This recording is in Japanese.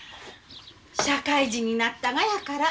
社会人になったがやから。